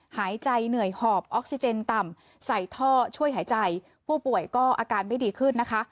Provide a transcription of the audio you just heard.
หายใจเหนื่อยหอบออกซิเจนต่ำใส่ท่อช่วยหายใจผู้ป่วยก็อาการไม่ดีขึ้นนะคะ